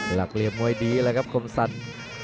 หลักเรียนมวยดีเลยครับคมสรรค์